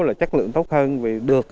là chất lượng tốt hơn vì được